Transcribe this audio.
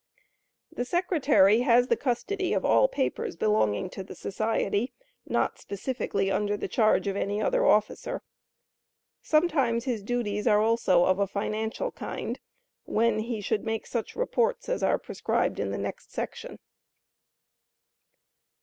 The secretary has the custody of all papers belonging to the society, not specially under charge of any other officer. Sometimes his duties are also of a financial kind, when he should make such reports as are prescribed in the next section.